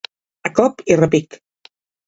A cop i repic.